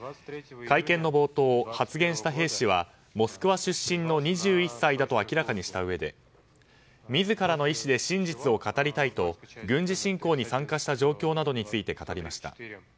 会見の冒頭、発言した兵士はモスクワ出身の２１歳だと明らかにしたうえで自らの意思で真実を語りたいと軍事侵攻に参加した状況などについて語りました。